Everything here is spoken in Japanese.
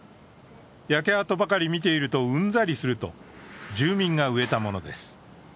焼け跡ばかり見ているとうんざりすると住民が植えたものです。